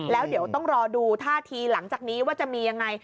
แล้วเดี๋ยวต้องรอดูท่าทีหลังจากนี้ว่าจะมียังไง